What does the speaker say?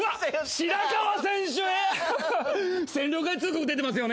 白川選手